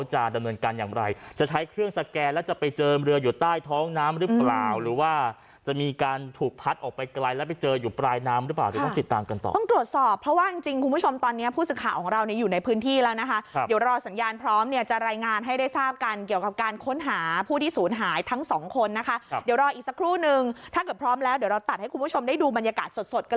อยู่ปลายน้ำหรือเปล่าจะต้องติดตามกันต่อต้องตรวจสอบเพราะว่าจริงจริงคุณผู้ชมตอนเนี้ยผู้ศึกษาของเราเนี้ยอยู่ในพื้นที่แล้วนะคะครับเดี๋ยวรอสัญญาณพร้อมเนี้ยจะรายงานให้ได้ทราบกันเกี่ยวกับการค้นหาผู้ที่ศูนย์หายทั้งสองคนนะคะครับเดี๋ยวรออีกสักครู่หนึ่งถ้าเกิดพร้อมแล้วเดี๋ยวเรา